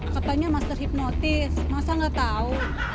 katanya master hipnotis masa gak tau